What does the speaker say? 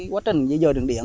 quá trình di rời đường điện